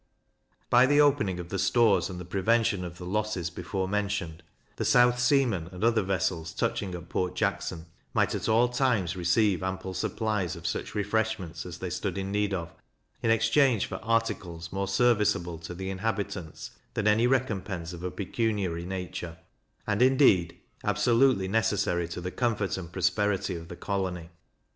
By the opening of the stores, and the prevention of the losses before mentioned, the Southseamen, and other vessels touching at Port Jackson, might at all times receive ample supplies of such refreshments as they stood in need of, in exchange for articles more serviceable to the inhabitants than any recompense of a pecuniary nature; and, indeed, absolutely necessary to the comfort and prosperity of the colony.